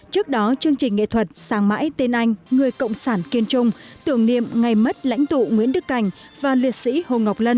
trước đó chương trình nghệ thuật sáng mãi tên anh người cộng sản kiên trung tưởng niệm ngày mất lãnh tụ nguyễn đức cảnh và liệt sĩ hồ ngọc lân